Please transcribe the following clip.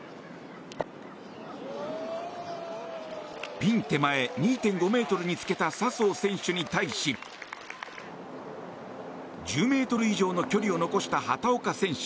ピン手前２．５ｍにつけた笹生選手に対し１０ｍ以上の距離を残した畑岡選手